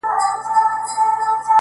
د حضرت يعقوب عليه السلام جمله ئې وويله.